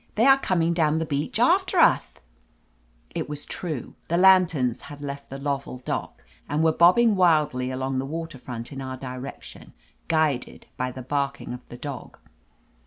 "They are coming down the beach after uth !" It was true. The lanterns had left the Lovell dock and were bobbing wildly along the water front in bur direction, guided by the barking of the dog.